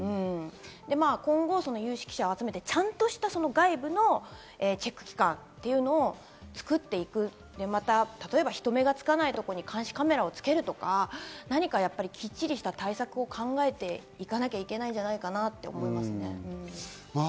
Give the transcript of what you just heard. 今後、有識者を集めてちゃんとした外部のチェック機関というのを作っていく、また、例えば人目がつかないところに監視カメラをつけるとか何かきっちりした対策を考えていかなきゃいけないんじゃないかなって思います。